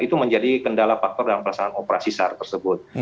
itu menjadi kendala faktor dalam pelaksanaan operasi sar tersebut